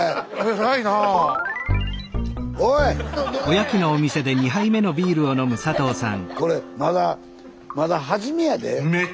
スタジオこれまだまだ初めやで。